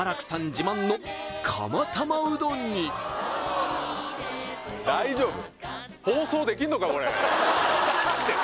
自慢の釜玉うどんに大丈夫？